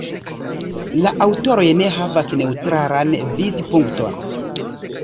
La aŭtoroj ne havas neŭtralan vidpunkton.